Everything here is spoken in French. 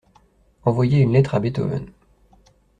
Envoyer une lettre à Beethoven.